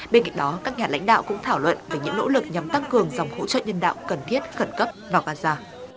bên cạnh đó các nhà lãnh đạo cũng thảo luận về những nỗ lực nhằm tăng cường dòng hỗ trợ nhân đạo cần thiết cẩn cấp vào gaza